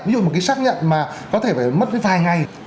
ví dụ một cái xác nhận mà có thể phải mất cái vài ngày